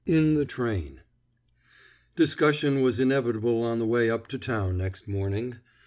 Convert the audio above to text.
III IN THE TRAIN Discussion was inevitable on the way up to town next morning.